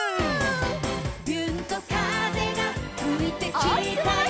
「びゅーんと風がふいてきたよ」